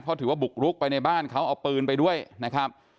เพราะถือว่าบุกรุกไปในบ้านเขาเอาปืนไปด้วยนะครับ